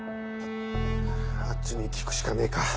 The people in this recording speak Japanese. あっちに聞くしかねえか。